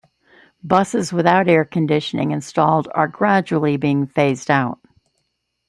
Buses without air conditioning installed are gradually being phased out.